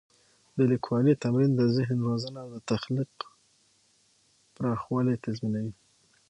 د لیکوالي تمرین د ذهن روزنه او د تخلیق پراخوالی تضمینوي.